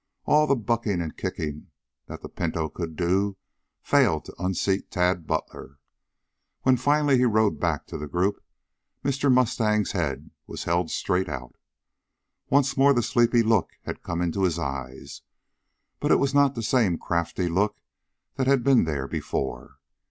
All the bucking and kicking that the pinto could do failed to unseat Tad Butler. When finally he rode back to the group, Mr. Mustang's head was held straight out. Once more the sleepy look had come into his eyes, but it was not the same crafty look that had been there before.